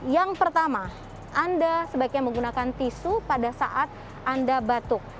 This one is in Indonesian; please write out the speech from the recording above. yang pertama anda sebaiknya menggunakan tisu pada saat anda batuk